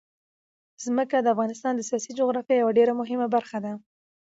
ځمکه د افغانستان د سیاسي جغرافیه یوه ډېره مهمه برخه ده.